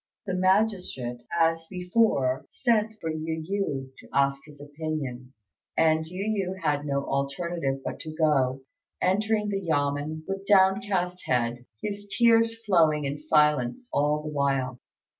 The magistrate, as before, sent for Yu yü to ask his opinion, and Yu yü had no alternative but to go, entering the yamên with downcast head, his tears flowing in silence all the while.